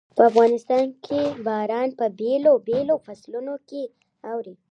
په افغانستان کې باران په بېلابېلو فصلونو کې اوري.